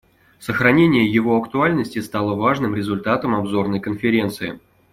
Сохранение его актуальности стало важным результатом Обзорной конференции.